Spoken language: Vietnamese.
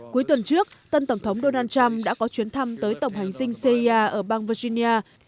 cuối tuần trước tân tổng thống donald trump đã có chuyến thăm tới tổng hành dinh cia ở bang virginia